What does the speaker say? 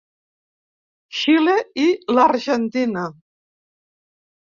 Xile i l'Argentina.